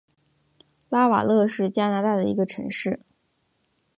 拉瓦勒是加拿大的一个城市。